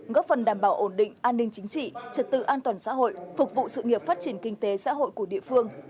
góp phần đảm bảo ổn định an ninh chính trị trật tự an toàn xã hội phục vụ sự nghiệp phát triển kinh tế xã hội của địa phương